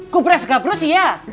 kubres gabrus ya